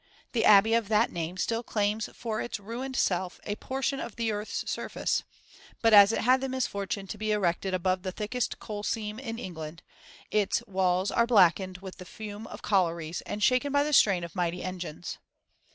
The abbey of that name still claims for its ruined self a portion of earth's surface; but, as it had the misfortune to be erected above the thickest coal seam in England, its walls are blackened with the fume of collieries and shaken by the strain of mighty engines.